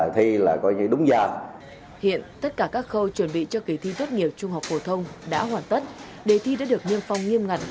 tránh nổ an toàn giao thông đã hoàn tất đề thi đã được nghiêm phong nghiêm ngẩn